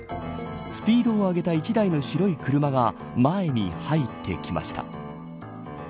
スピードを上げた１台の白い車が前に入ってきました。